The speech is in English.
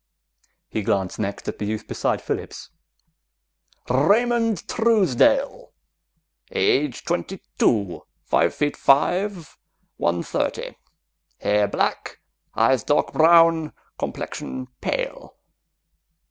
He glanced next at the youth beside Phillips. "Raymond Truesdale, age twenty two, five feet five, one thirty. Hair black, eyes dark brown, complexion pale.